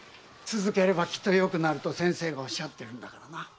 続ければきっとよくなると先生がおっしゃってるからな。